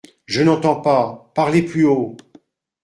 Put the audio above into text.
Je n’entends pas !… parlez plus haut !…